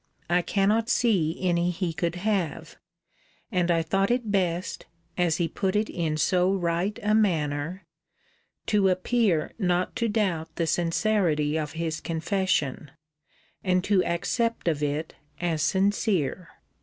I cannot see any he could have; and I thought it best, as he put it in so right a manner, to appear not to doubt the sincerity of his confession, and to accept of it as sincere.